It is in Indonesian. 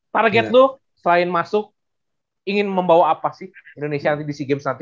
target lo selain masuk ingin membawa apa sih indonesia nanti di si gems nanti